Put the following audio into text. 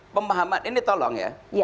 pemahaman ini tolong ya